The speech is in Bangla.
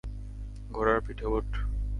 ঘোড়ার পিঠে উঠ!